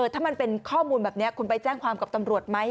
ถ้ามันเป็นข้อมูลแบบนี้คุณไปแจ้งความกับตำรวจไหม